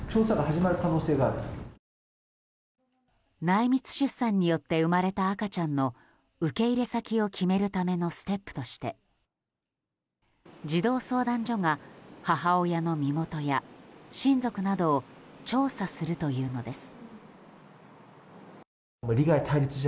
内密出産によって生まれた赤ちゃんの受け入れ先を決めるためのステップとして児童相談所が母親の身元や親族などを調査するというのです。